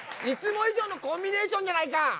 いつもいじょうのコンビネーションじゃないか！